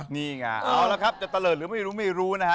นี่ไงเอาละครับจะเตลิศหรือไม่รู้ไม่รู้นะฮะ